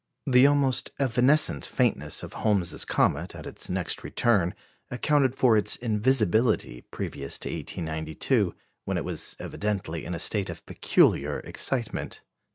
The almost evanescent faintness of Holmes's comet at its next return accounted for its invisibility previous to 1892, when it was evidently in a state of peculiar excitement.